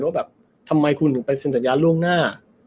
ว่าแบบทำไมคุณถึงไปเซ็นสัญญาล่วงหน้า